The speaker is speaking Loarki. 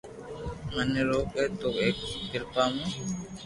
متي روڪ اينو ايڪ ڪريا مون